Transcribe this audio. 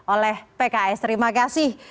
oleh pks terima kasih